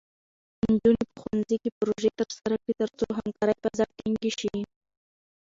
نجونې په ښوونځي کې پروژې ترسره کړي، ترڅو همکارۍ فضا ټینګې شي.